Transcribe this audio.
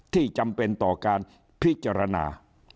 จำเป็นต่อการพิจารณา